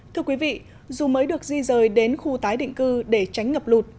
thưa quý vị dù mới được di rời đến khu tái định cư để tránh ngập lụt